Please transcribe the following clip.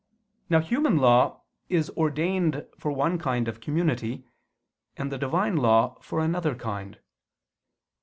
Now human law is ordained for one kind of community, and the Divine law for another kind.